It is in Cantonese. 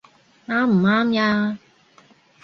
啱唔啱呀？